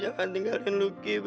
jangan tinggalin luki bebe